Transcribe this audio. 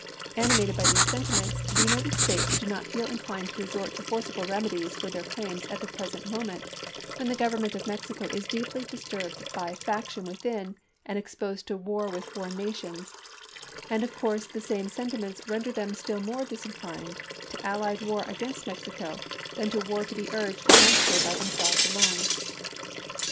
Animated by these sentiments the United States do not feel inclined to resort to forcible remedies for their claims at the present moment when the Government of Mexico is deeply disturbed by faction within, and exposed to war with foreign nations ; and of course the same sen timents render them still more disinclined to allied MEXICO 41 war against Mexico than to war to be urged against chai . ii. her by themselves alone."